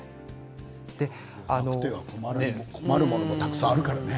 なくては困るものもたくさんあるよね。